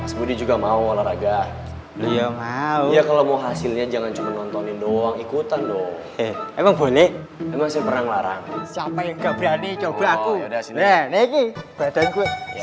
mas budi juga mau olahraga dia mau ya kalau mau hasilnya jangan cuma nontonin doang ikutan dong emang boleh emang pernah ngelarang siapa yang gak berani coba aku udah sini nih badan gue